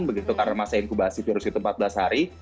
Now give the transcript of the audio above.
begitu karena masa inkubasi virus itu empat belas hari